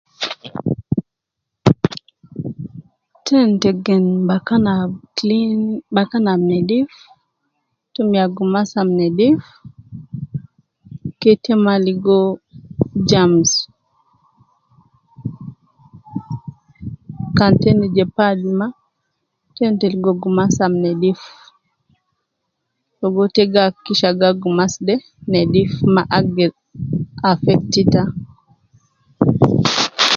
Tendi te gen bakan ab clean, bakan ab nedif, tumiya gumas ab nedif, ke te mma ligo germs, kan te endi je pad mma, tendi te ligo gumas ab nedif, logo te gi hakikisha gal gumas de nedif mma agder affect ita.